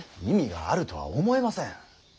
意味があるとは思えません。